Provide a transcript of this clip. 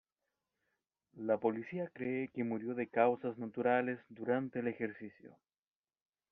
La policía cree que murió de causas naturales durante el ejercicio.